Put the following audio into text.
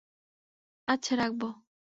আচ্ছা, রাখব।